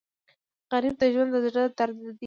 غریب د ژوند د زړه درد دی